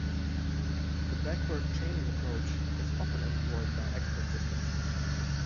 The backward chaining approach is often employed by expert systems.